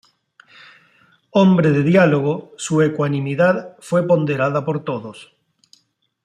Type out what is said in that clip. Hombre de diálogo, su ecuanimidad fue ponderada por todos.